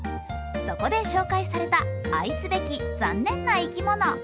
そこで紹介された愛すべき残念な生き物。